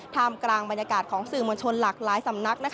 กลางบรรยากาศของสื่อมวลชนหลากหลายสำนัก